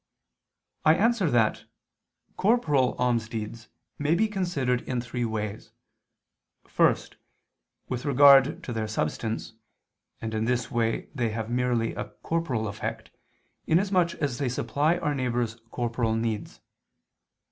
I answer that, Corporal almsdeeds may be considered in three ways. First, with regard to their substance, and in this way they have merely a corporal effect, inasmuch as they supply our neighbor's corporal needs.